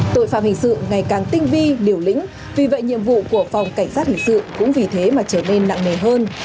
tội phạm hình sự ngày càng tinh vi liều lĩnh vì vậy nhiệm vụ của phòng cảnh sát hình sự cũng vì thế mà trở nên nặng nề hơn